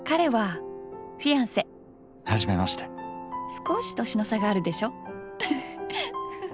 少し年の差があるでしょフフフ。